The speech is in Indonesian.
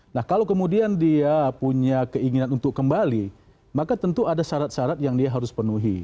nah kalau kemudian dia punya keinginan untuk kembali maka tentu ada syarat syarat yang dia harus penuhi